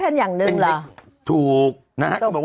มะนาว